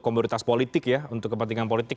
komoditas politik ya untuk kepentingan politik